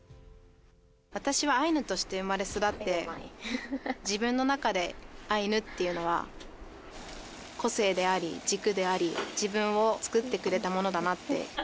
私はアイヌとして生まれ育って自分の中でアイヌっていうのは個性であり、軸であり、自分を作ってくれたものだなって。